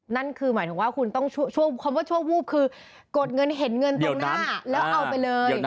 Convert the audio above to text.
นั่นคือหมายถึงว่าคุณต้องช่วงคำว่าชั่ววูบคือกดเงินเห็นเงินตรงหน้าแล้วเอาไปเลย